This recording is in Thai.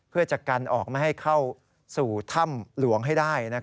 เพื่อจะกันออกไม่ให้เข้าสู่ถ้ำหลวงให้ได้